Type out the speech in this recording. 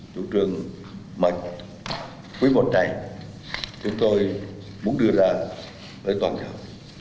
chủ trường mạnh quy mô trầy chúng tôi muốn đưa ra với toàn cầu